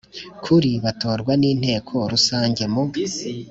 kuri batorwa n inteko rusange mu